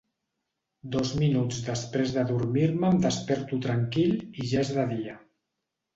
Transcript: Dos minuts després d'adormir-me em desperto tranquil i ja és de dia.